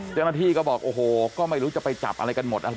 เจ้าหน้าที่ก็บอกโอ้โหก็ไม่รู้จะไปจับอะไรกันหมดอะไร